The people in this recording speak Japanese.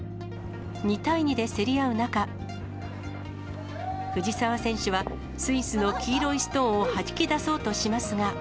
２対２で競り合う中、藤澤選手は、スイスの黄色いストーンをはじき出そうとしますが。